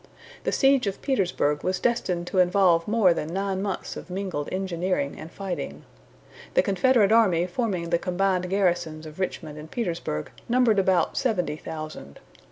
The siege of Petersburg was destined to involve more than nine months of mingled engineering and fighting. The Confederate army forming the combined garrisons of Richmond and Petersburg numbered about seventy thousand.